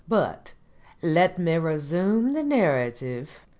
But let me resume the narrative.